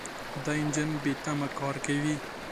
دا انجن بېتمه کار کوي.